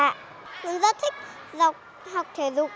con rất thích học thể dục